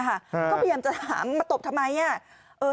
ก็พยายามจะถามมาตบทำไม